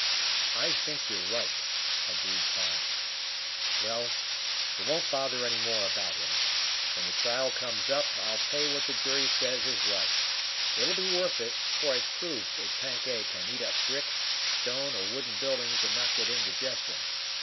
"I think you're right," agreed Tom. "Well, we won't bother any more about him. When the trial comes on, I'll pay what the jury says is right. It'll be worth it, for I proved that Tank A can eat up brick, stone or wooden buildings and not get indigestion.